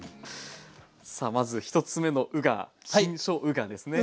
さあまず１つ目のうが新しょうがですね。